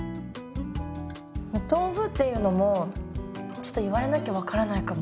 豆腐っていうのもちょっと言われなきゃ分からないかも。